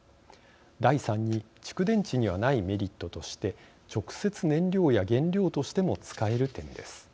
第三に蓄電池にはないメリットとして直接、燃料や原料としても使える点です。